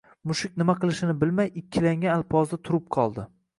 Mushuk nima qilishini bilmay, ikkilangan alpozda turib qoldi